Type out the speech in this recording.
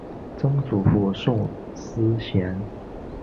曾祖父宋思贤。